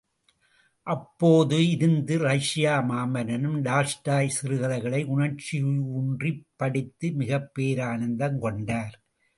அப்போது இருந்த ரஷ்ய மாமன்னரும், டால்ஸ்டாய் சிறுகதைகளை உணர்ச்சியூன்றிப் படித்து மிகப்பேரானந்தம் கொண்டார்.